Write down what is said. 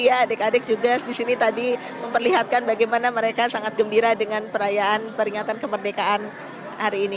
adik adik juga disini tadi memperlihatkan bagaimana mereka sangat gembira dengan perayaan peringatan kemerdekaan hari ini